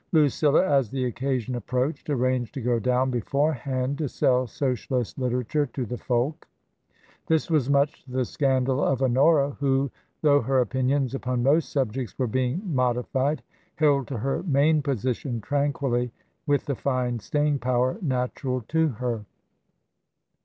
Lucilla, as the occasion approached, arranged to go down before hand to sell Socialist literature to the folk. This was much to the scandal of Honora, who, though her opinions upon most subjects were being modified, held to her main position tranquilly with the fine staying power natural to her.